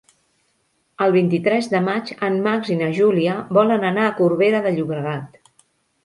El vint-i-tres de maig en Max i na Júlia volen anar a Corbera de Llobregat.